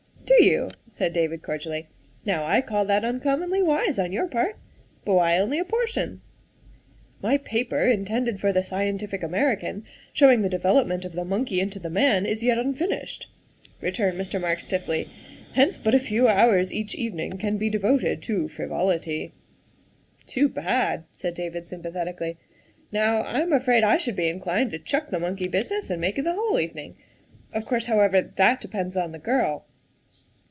" Do you?" said David cordially. " Now, I call that uncommonly wise on your part. But why only a por tion?" " My paper, intended for the Scientific American. showing the development of the monkey into the man is yet unfinished," returned Mr. Marks stiffly, " hence but a few hours each evening can be devoted to frivolity. '' 78 THE WIFE OF " Too bad!" said David sympathetically. " Now, I am afraid I should be inclined to chuck the monkey business and make it the whole evening of course, how ever, that depends on the girl."